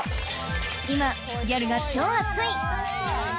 今ギャルが超熱い！